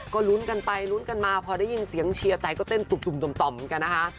ก็ลุ้นกันไปลุ้นกันมาพอได้ยินเสียงเชียร์ใจก็เต้นตุ่มต่อมเหมือนกันนะคะ